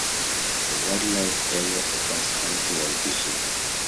The wildlife area offers hunting and fishing.